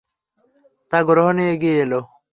তা গ্রহণে এগিয়ে এল।